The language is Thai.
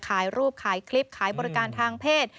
ขายรูปขายคลิปขายบริการทางเพศ